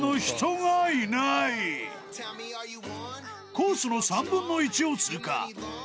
［コースの３分の１を通過］